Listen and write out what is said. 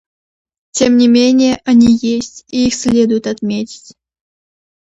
Тем не менее они есть, и их следует отметить.